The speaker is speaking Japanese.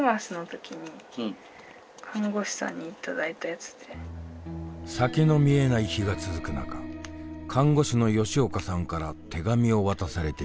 えと先の見えない日が続く中看護師の吉岡さんから手紙を渡されていた。